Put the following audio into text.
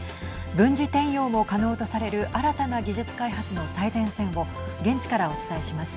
軍事転用も可能とされる新たな技術開発の最前線を現地からお伝えします。